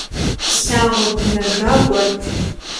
Лъагъуэ бгынэжа гуэрт.